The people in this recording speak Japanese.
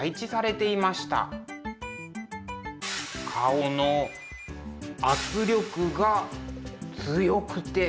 顔の圧力が強くて。